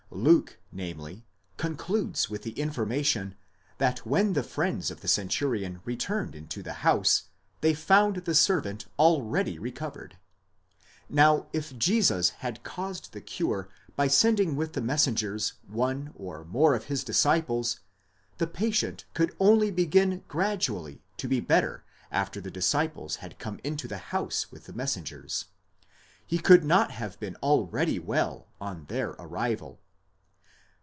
Luke, namely, concludes with the information that when the friends of the centurion returned into the house, they found the servant already recovered. Now, if Jesus had caused the cure by sending with the messen gers one or more of his disciples, the patient could only begin gradual.y to be better after the disciples had come into the house with the messengers; — he could not have been already well on their arrival.